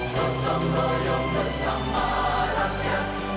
kau kau royong bersama rakyat